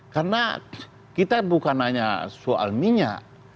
karena kita bukan hanya soal minyak